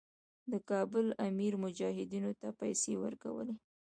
د کابل امیر مجاهدینو ته پیسې ورکولې.